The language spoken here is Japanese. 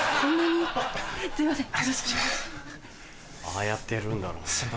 ああやってやるんだろうな。